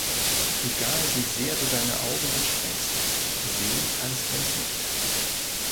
Egal, wie sehr du deine Augen anstrengst, sehen kannst du uns nicht.